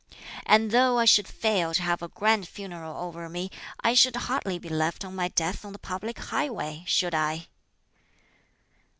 And though I should fail to have a grand funeral over me, I should hardly be left on my death on the public highway, should I?"